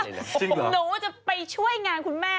หนูจะไปช่วยงานคุณแม่